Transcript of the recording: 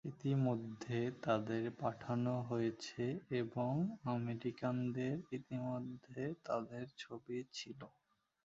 ইতিমধ্যে তাদের পাঠানো হয়েছে এবং আমেরিকানদের ইতিমধ্যে তাদের ছবি ছিল।